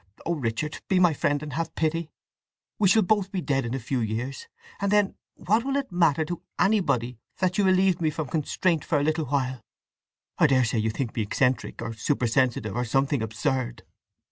Oh Richard, be my friend and have pity! We shall both be dead in a few years, and then what will it matter to anybody that you relieved me from constraint for a little while? I daresay you think me eccentric, or super sensitive, or something absurd.